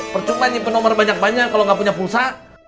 percuma menyimpan banyak banyak kalau gak punya pulsa